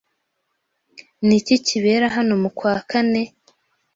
Ni iki kibera hano mu kwa kane?